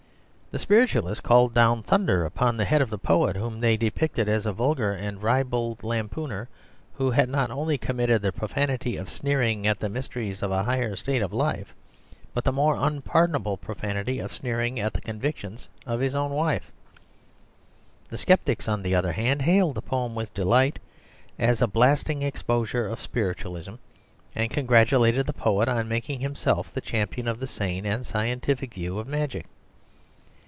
The spiritualists called down thunder upon the head of the poet, whom they depicted as a vulgar and ribald lampooner who had not only committed the profanity of sneering at the mysteries of a higher state of life, but the more unpardonable profanity of sneering at the convictions of his own wife. The sceptics, on the other hand, hailed the poem with delight as a blasting exposure of spiritualism, and congratulated the poet on making himself the champion of the sane and scientific view of magic.